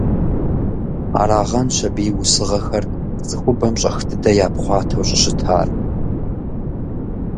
Арагъэнщ абы и усыгъэхэр цӀыхубэм щӀэх дыдэ япхъуатэу щӀыщытар.